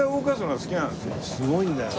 すごいんだよ。